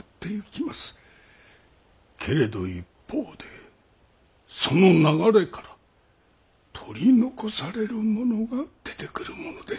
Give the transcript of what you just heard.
けれど一方でその流れから取り残される者が出てくるものです。